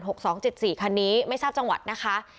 เจ็ดสี่คันนี้ไม่ทราบจังหวัดนะคะ